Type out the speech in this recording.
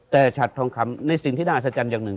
แต่ฉัดทองคำในสิ่งที่น่าอัศจรรย์อย่างหนึ่ง